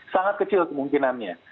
sangat kecil kemungkinannya